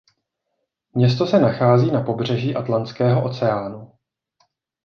Město se nachází na pobřeží Atlantského oceánu.